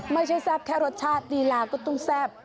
ไม่ใช่แซ่บแค่รสชาติดีล่ะก็ต้องแซ่บ